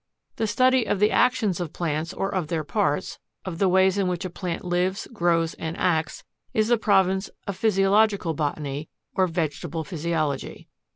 The study of the actions of plants or of their parts, of the ways in which a plant lives, grows, and acts, is the province of PHYSIOLOGICAL BOTANY, or VEGETABLE PHYSIOLOGY.